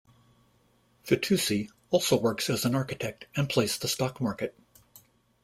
Fitoussi also works as an architect and plays the stock market.